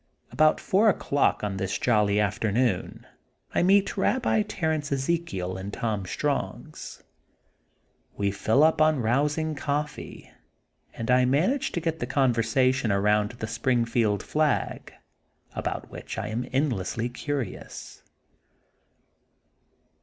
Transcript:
About four o 'clock on this jolly after noon I meet Eabbi Terence Ezekiel in Tom Strong's, We fill up on rousing coffee and I THE GOLDEN BOOK OF SPRINGFIELD 128 manage to get the conversation around to the Springfield flag about which I am endlessly curious.